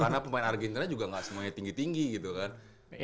karena pemain argentina juga gak semuanya tinggi tinggi gitu kan